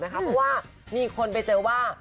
เพราะว่ามีคนไปเจอว่า